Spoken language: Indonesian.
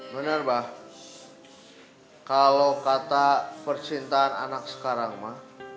bener mba kalau kata persintaan anak sekarang mba